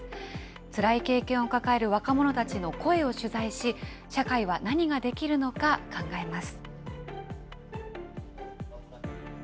つらい経験を抱える若者たちの声を取材し、社会は何ができるのか、考えます。